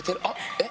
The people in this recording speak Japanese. えっ？